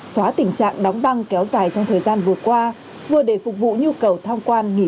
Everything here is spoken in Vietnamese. xóa tình trạng đóng băng kéo dài trong thời gian vừa qua vừa để phục vụ nhu cầu tham quan nghỉ